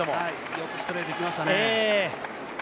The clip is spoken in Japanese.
よくストレート、いきましたね。